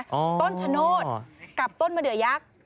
ต้นชะโนธกับต้นมะเดือยักษ์